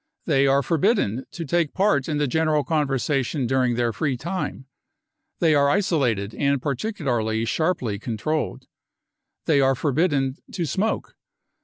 They are forbidden to take part in the general conversation dur ing their free time. They are isolated and particularly sharply controlled. They are forbidden to smoke.